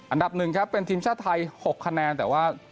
อันดับหนึ่งครับเป็นทีมชาติไทย๖คะแนนแต่ว่า